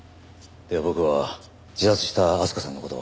では僕は自殺した明日香さんの事を。